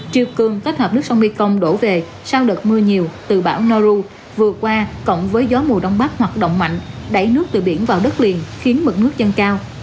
trường cường kết hợp nước sông my công đổ về sau đợt mưa nhiều từ bão noru vừa qua cộng với gió mùa đông bắc hoạt động mạnh đẩy nước từ biển vào đất liền khiến mực nước dân cao